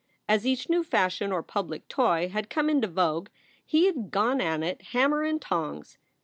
As each new fashion or public toy had come into vogue he had gone at it hammer and tongs.